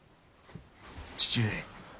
父上！？